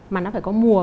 mà nó phải có mùa